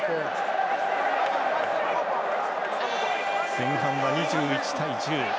前半は２１対１０。